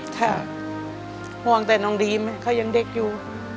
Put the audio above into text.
ค่ะห่วงแต่น้องดีมเขายังเด็กอยู่